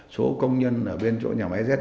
số công nhân ở bên chỗ nhà máy z